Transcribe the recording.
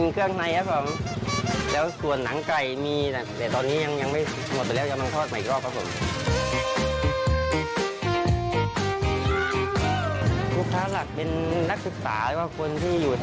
คุณทำงานตอนนี้